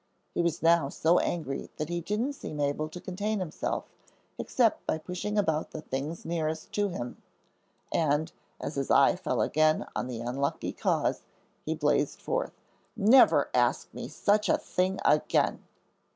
He was now so angry that he didn't seem able to contain himself except by pushing about the things nearest to him; and, as his eye fell again on the unlucky cause, he blazed forth, "Never ask me such a thing again."